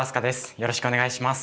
よろしくお願いします。